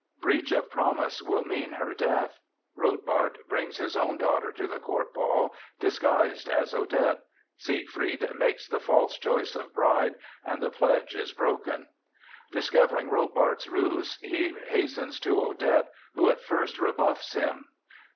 Breach of promise will mean her death. Rotbart brings his own daughter to the court ball, disguised as Odette. Siegfried makes the false choice of bride, and the pledge is broken. Discovering Rotbart's ruse, he hastens to Odette, who at first rebuffs him.